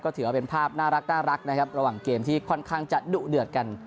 ถือว่าเป็นภาพน่ารักนะครับระหว่างเกมที่ค่อนข้างจะดุเดือดกัน